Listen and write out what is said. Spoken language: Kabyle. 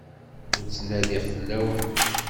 Ur ttnadiɣ fell-awen.